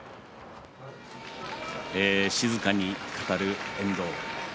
静かに語る遠藤。